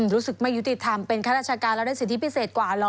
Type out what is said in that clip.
รู้สึกไม่ยุติธรรมเป็นข้าราชการแล้วได้สิทธิพิเศษกว่าเหรอ